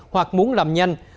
hoặc muốn làm nhanh